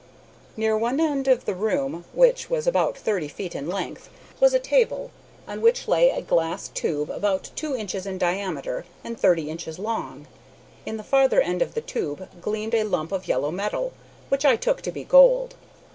Near one end of the room, which was about thirty feet in length, was a table, on which lay a glass tube about two inches in diameter and thirty inches long. In the farther end of the tube gleamed a lump of yellow metal, which I took to be gold.